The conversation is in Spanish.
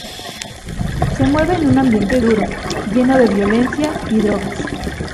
Se mueve en un ambiente duro, lleno de violencia y drogas.